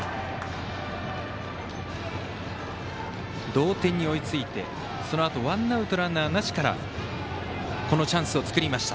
同点に追いついてそのあとワンアウト、ランナーなしからこのチャンスを作りました。